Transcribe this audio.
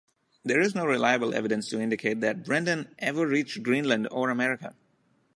There is no reliable evidence to indicate that Brendan ever reached Greenland or America.